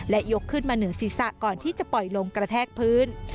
และยกขึ้นมาเหนือศีรษะก่อนที่จะปล่อยลงกระแทกพื้น